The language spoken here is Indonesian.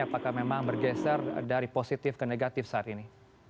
apakah memang bergeser dari positif ke negatif saat ini